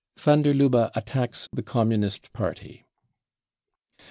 Van der Lubbe attacks the Communist Party.